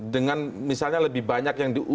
dengan misalnya lebih banyak yang di